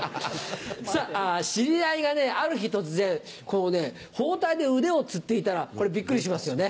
さぁ知り合いがある日突然包帯で腕をつっていたらビックリしますよね。